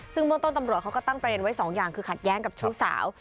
ซึ่งเบื้องต้นตำรวจเขาก็ตั้งประเด็นไว้สองอย่างคือขัดแย้งกับชู้สาว